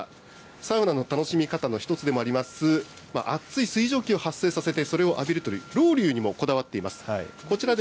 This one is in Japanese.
さらにはサウナの楽しみ方の一つでもあります、熱い水蒸気を発生させて、それを浴びるというロウリュにもこだわっています。